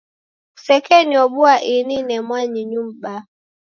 Kusekeniobua ini ne mwanyinyu mbaa.